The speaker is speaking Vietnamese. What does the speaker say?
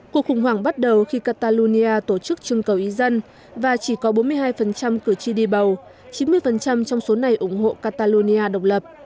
cuộc khủng hoảng bắt đầu khi catalonia tổ chức trưng cầu ý dân và chỉ có bốn mươi hai cử tri đi bầu chín mươi trong số này ủng hộ catalonia độc lập